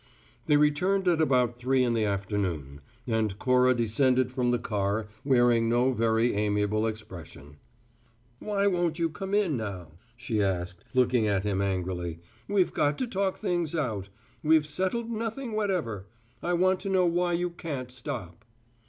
They returned at about three in the afternoon, and Cora descended from the car wearing no very amiable expression. "Why won't you come in now?" she asked, looking at him angrily. "We've got to talk things out. We've settled nothing whatever. I want to know why you can't stop."